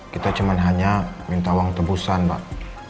kita cuman hanya minta uang tebusan pak